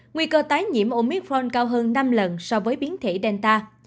nguy cơ tái nhiễm omitron cao hơn năm lần so với biến thể delta